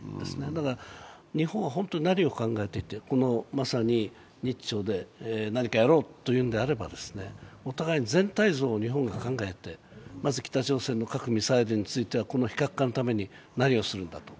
だから、本当に日本は何を考えて、この、まさに日朝で何かやろうというんであればお互い全体像を日本が考えて、まず北朝鮮の核・ミサイルに対してはこの非核化のために何をするんだと。